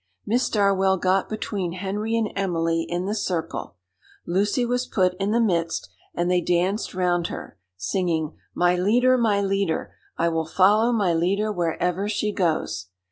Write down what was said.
Miss Darwell got between Henry and Emily in the circle; Lucy was put into the midst; and they danced round her, singing, "My leader, my leader, I will follow my leader wherever she goes!"